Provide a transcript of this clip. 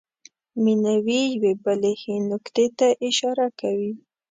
مینوي یوې بلې ښې نکتې ته اشاره کوي.